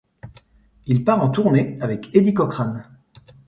Il part en tournée avec Eddie Cochran.